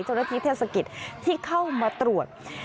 เขาไม่พอใจอีกเจ้าหน้าทีเทศกิตที่เข้ามาตรวจ